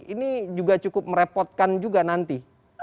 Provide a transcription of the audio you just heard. ini juga cukup merepotkan juga nanti